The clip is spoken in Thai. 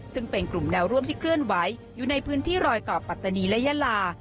ซึ่งเป็นกลุ่มแนวร่วมที่เคลื่อนไหวอยู่ในพื้นที่รอยต่อปัตตานีและยาลา